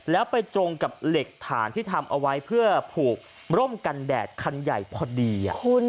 แล้วไปตรงกับเหล็กฐานที่ทำเอาไว้เพื่อผูกร่มกันแดดคันใหญ่พอดี